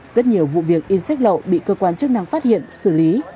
rất nhiều vụ việc in sách lậu bị cơ quan chức năng phát hiện xử lý